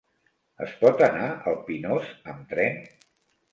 Es pot anar al Pinós amb tren?